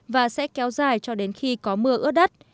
và sẽ kéo dài cho đến khi có mưa ướt đất